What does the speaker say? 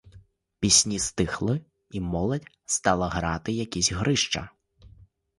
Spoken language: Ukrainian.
Пісні стихли, і молодь стала грати якісь грища.